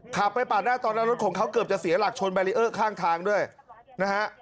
ขับไปปาดหน้าตอนนั้นรถของเขาเกือบจะเสียหลักชนแบรีเออร์ข้างทางด้วยนะฮะ